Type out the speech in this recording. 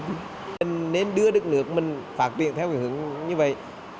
mình nên đưa đất nước mình phát triển theo hướng như vậy